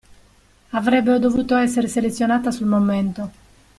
Avrebbe dovuto essere selezionata sul momento.